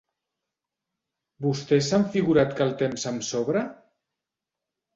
Vostès s'han figurat que el temps em sobra?